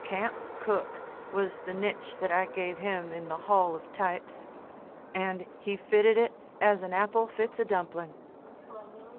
"Camp cook" was the niche that I gave him in the Hall of Types; and he fitted it as an apple fits a dumpling.